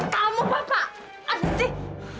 kamu apa apaan sih